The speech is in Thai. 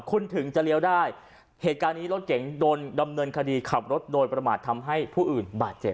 คุณถึงจะเลี้ยวได้เหตุการณ์นี้รถเก๋งโดนดำเนินคดีขับรถโดยประมาททำให้ผู้อื่นบาดเจ็บ